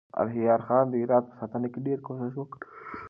الهيار خان د هرات په ساتنه کې ډېر کوښښ وکړ.